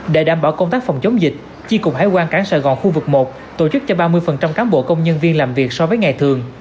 để đảm bảo công tác phòng chống dịch chi cục hải quan cảng sài gòn khu vực một tổ chức cho ba mươi cán bộ công nhân viên làm việc so với ngày thường